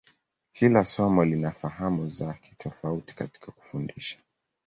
Kila somo lina fahamu zake tofauti katika kufundisha.